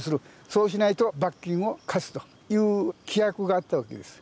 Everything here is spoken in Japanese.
そうしないと罰金を科すという規約があったわけです。